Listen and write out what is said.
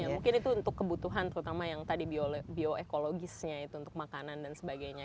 ya mungkin itu untuk kebutuhan terutama yang tadi bioekologisnya itu untuk makanan dan sebagainya